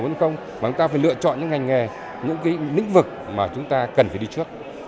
và chúng ta phải lựa chọn những ngành nghề những nĩnh vực mà chúng ta cần phải đi trước